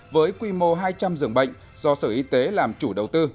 với quy mô hai trăm linh giường bệnh do sở y tế làm chủ đầu tư